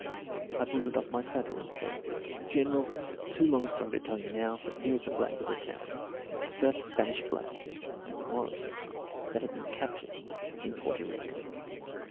I pulled it off my saddle and said: "General, it's too long a story to tell you now, but here is the flag of the town. It's the first Spanish flag" and it was "that has been captured in Porto Rico."